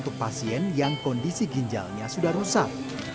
untuk pasien yang kondisi ginjalnya sudah rusak